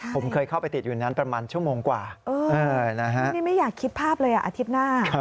ผมเคยเข้าไปติดอยู่นั้นประมาณชั่วโมงกว่านี่ไม่อยากคิดภาพเลยอาทิตย์หน้า